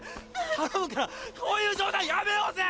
頼むからこういう冗談やめようぜ！